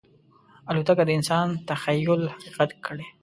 الوتکه د انسان تخیل حقیقت کړی.